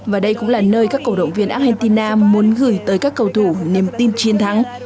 và đây cũng là nơi các cổ động viên argentina muốn gửi tới các cầu thủ niềm tin chiến thắng